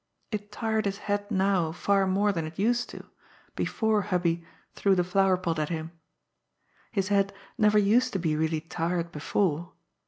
It tired his head now far more than it used to, before Hubby threw the flower pot at him. His head neyer used to be really tired before.